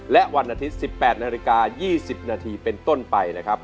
และวันอาทิตย์๑๘นาฬิกา๒๐นาทีเป็นต้นไปนะครับ